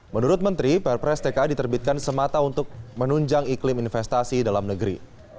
menurut menteri perpres tka diterbitkan semata untuk menunjang iklim investasi dalam negeri